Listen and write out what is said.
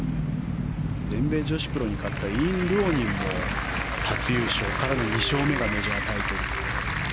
全米女子プロに勝ったイン・ルオニンも２勝目がメジャータイトル。